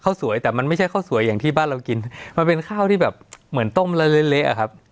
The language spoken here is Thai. สวยแต่มันไม่ใช่ข้าวสวยอย่างที่บ้านเรากินมันเป็นข้าวที่แบบเหมือนต้มละเละอะครับ